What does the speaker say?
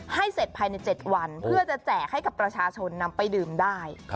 ให้เสร็จภายใน๗วันเพื่อจะแจกให้กับประชาชนนำไปดื่มได้